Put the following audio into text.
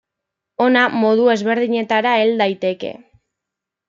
Hona, modu ezberdinetara hel daiteke.